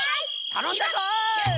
たのんだぞい。